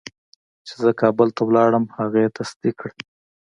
چې زه کابل ته لاړم هغه یې تصدیق کړه.